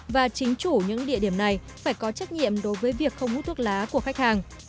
và chính chủ những địa điểm này phải có trách nhiệm đối với việc không hút thuốc lá của khách hàng